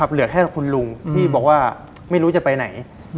เหลือแค่คุณลุงที่บอกว่าไม่รู้จะไปไหน